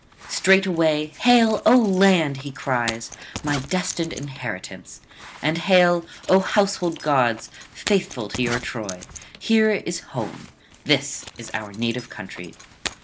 Straightway 'Hail, O land!' he cries, 'my destined inheritance! and hail, O household gods, faithful to your Troy! here is home; this is our native country.